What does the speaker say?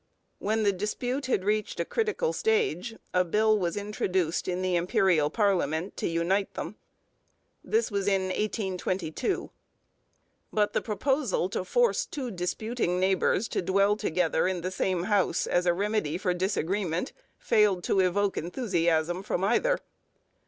When the dispute had reached a critical stage a bill was introduced in the Imperial parliament to unite them. This was in 1822. But the proposal to force two disputing neighbours to dwell together in the same house as a remedy for disagreements failed to evoke enthusiasm from either.